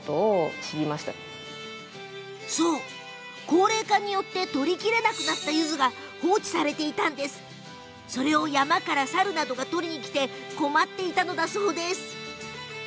高齢化によって取りきれなくなったゆずが放置され山から猿などが取りに来て困っていたんだそうです。